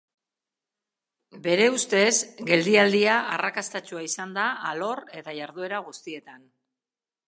Bere ustez, geldialdia arrakastatsua izan da alor eta iharduera guztietan.